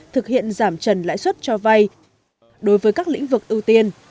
thực hiện giảm trần lãi suất cho vay đối với các lĩnh vực ưu tiên